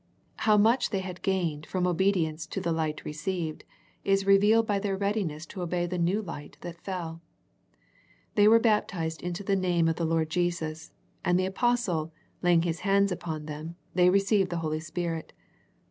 How much they had gained from obedience to the light received is re vealed by their readiness to obey the new light that fell. They were baptized into the name of the Lord Jesus, and the apostle, laying his hands upon them, they received the Holy Spirit.